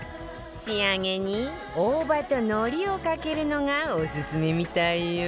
仕上げに大葉と海苔をかけるのがオススメみたいよ